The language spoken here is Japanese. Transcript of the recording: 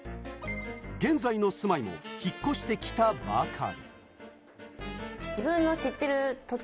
現在の住まいも引っ越してきたばかり。